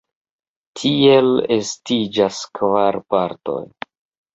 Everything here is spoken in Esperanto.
Tiel estiĝas kvar partoj.